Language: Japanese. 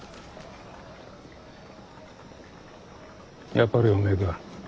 やっぱりおめえか。